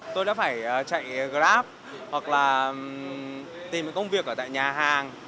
tôi đã phải chạy grab hoặc là tìm công việc ở tại nhà hàng